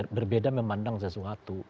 berbeda memandang sesuatu